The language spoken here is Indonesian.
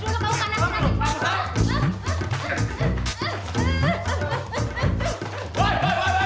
kau sebarang kan gak ada